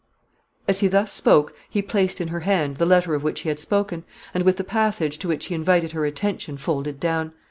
As he thus spoke, he placed in her hand the letter of which he had spoken, and with the passage to which he invited her attention folded down.